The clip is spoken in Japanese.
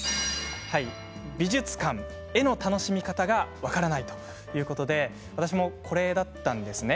美術館、絵の楽しみ方が分からないということで私もこれだったんですね。